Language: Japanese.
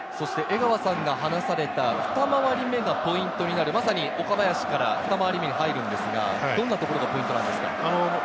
江川さんが話された２回り目がポイントになる、まず岡林からふた回り目に入るんですが、どんなところがポイントなんですか？